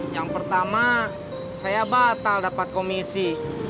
yang pertama saya batal dapat komisi